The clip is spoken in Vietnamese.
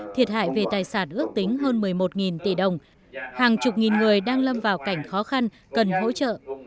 thiệt hại về tài sản ước tính hơn một mươi một tỷ đồng hàng chục nghìn người đang lâm vào cảnh khó khăn cần hỗ trợ